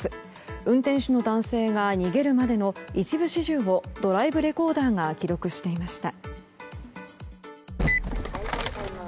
運転手の男性が逃げるまでの一部始終をドライブレコーダーが記録していました。